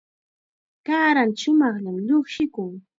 Kaaranta shumaqllam llushikun.